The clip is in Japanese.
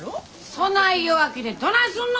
そない弱気でどないすんの！